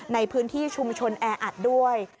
ในพื้นที่ชุมชนแออัดด้วย